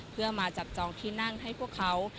เพื่อมาจับจองที่นั่งให้พวกเขา